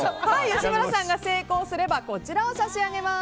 吉村さんが成功すればこちらを差し上げます。